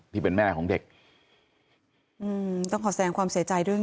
ที่เป็นแม่ของเด็กอืมต้องขอแสงความเสียใจด้วยนะ